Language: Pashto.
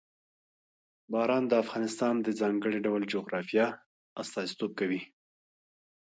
باران د افغانستان د ځانګړي ډول جغرافیه استازیتوب کوي.